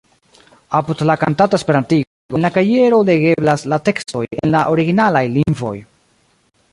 Apud la kantata esperantigo, en la kajero legeblas la tekstoj en la originalaj lingvoj.